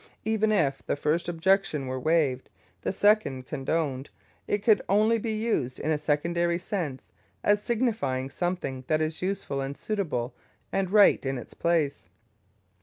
Even if the first objection were waived, and the second condoned, it could only be used in a secondary sense, as signifying something that is useful and suitable and right in its place.